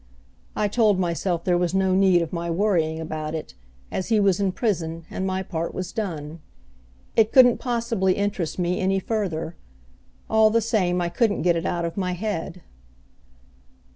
I told myself there was no need of my worrying about it, as he was in prison and my part was done. It couldn't possibly interest me any further. All the same I couldn't get it out of my head.